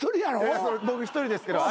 僕一人ですけど。